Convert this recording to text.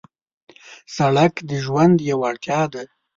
سړک د ژوند یو اړتیا ده.